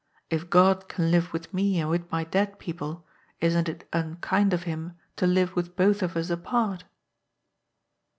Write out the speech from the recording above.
If God can live with me and with my dead people, isn't it unkind of Him to live with both of us apart?